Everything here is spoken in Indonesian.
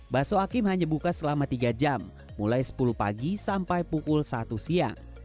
bakso akim hanya buka selama tiga jam mulai sepuluh pagi sampai pukul satu siang